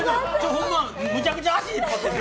ホンマ、むちゃくちゃ足引っ張ってる。